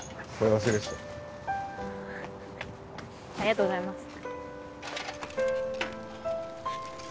ありがとうございます。